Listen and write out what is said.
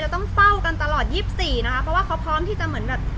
ต้องเฝ้ากันตลอด๒๔นะคะเพราะว่าเขาพร้อมที่จะเหมือนแบบ